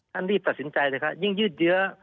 แทนทรีย์ตัดสินใจเลยครับ